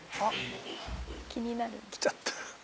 気になる。来ちゃった。